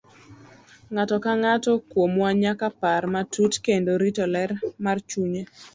Ng'ato ka ng'ato kuomwa nyaka par matut kendo rito ler mar chunye.